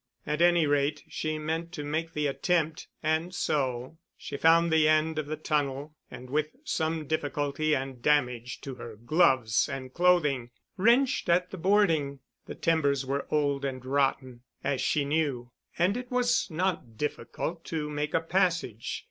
At any rate she meant to make the attempt—and so, she found the end of the tunnel and with some difficulty and damage to her gloves and clothing, wrenched at the boarding. The timbers were old and rotten, as she knew, and it was not difficult to make a passage.